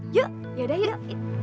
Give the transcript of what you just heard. yuk yaudah yuk